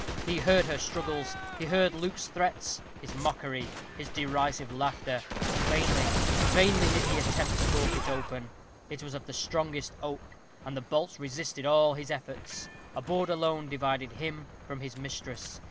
He heard her struggles; he heard Luke's threats his mockery his derisive laughter but vainly, vainly did he attempt to force it open. It was of the strongest oak, and the bolts resisted all his efforts. A board alone divided him from his mistress.